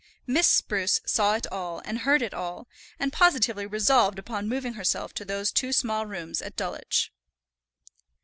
Miss Spruce saw it all, and heard it all, and positively resolved upon moving herself to those two small rooms at Dulwich.